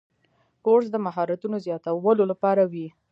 کورس د مهارتونو زیاتولو لپاره وي.